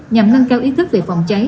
nhằm nâng cao ý thức về phòng cháy